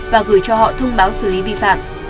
và gửi cho họ thông báo xử lý vi phạm